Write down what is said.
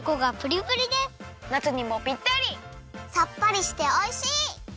さっぱりしておいしい！